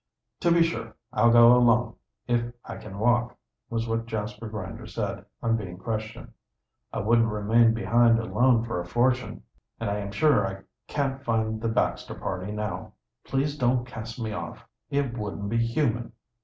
"To be sure I'll go along, if I can walk," was what Jasper Grinder said on being questioned, "I wouldn't remain behind alone for a fortune, and I am sure I can't find the Baxter party now. Please don't cast me off! It wouldn't be human!"